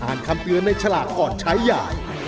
คำเตือนในฉลากก่อนใช้ใหญ่